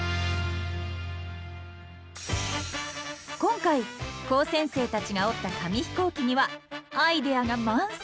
今回高専生たちが折った紙飛行機にはアイデアが満載！